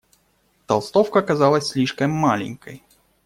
Толстовка казалась слишком маленькой.